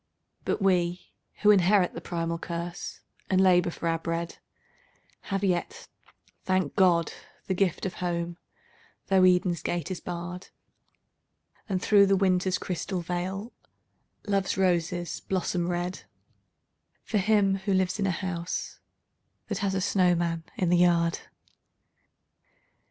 But we who inherit the primal curse, and labour for our bread, Have yet, thank God, the gift of Home, though Eden's gate is barred: And through the Winter's crystal veil, Love's roses blossom red, For him who lives in a house that has a snowman in the yard.